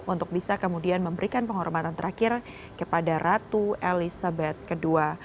untuk bisa kemudian memberikan penghormatan terakhir kepada ratu elizabeth ii